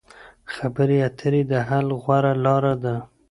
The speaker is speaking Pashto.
خبرې اترې د حل غوره لار ده.